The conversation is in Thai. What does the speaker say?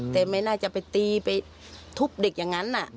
แต่ไม่น่าจะไปตีไปทุบเด็กอย่างนั้น